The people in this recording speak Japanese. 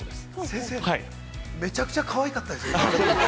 ◆先生、めちゃくちゃかわいかったです。